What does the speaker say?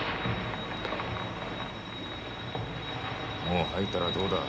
もう吐いたらどうだ？